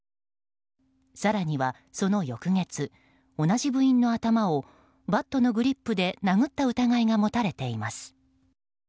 更にはその翌月、同じ部員の頭をバットのグリップで殴った疑いが持たれています。